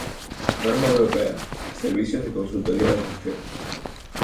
Norma europea "Servicios de consultoría de gestión".